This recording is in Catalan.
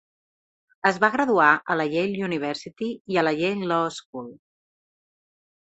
Es va graduar a la Yale University i a la Yale Law School.